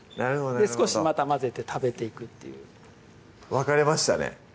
少しまた混ぜて食べていくっていう分かれましたね